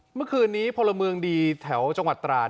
เมื่อกว่าเคยมาจากไหน